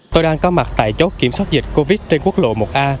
tôi đang có mặt tại chốt kiểm soát dịch covid trên quốc lộ một a